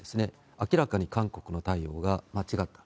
明らかに韓国の対応が間違った。